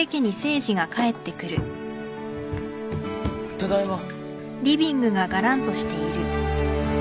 ただいま。